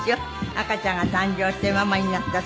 赤ちゃんが誕生してママになったすみれさん。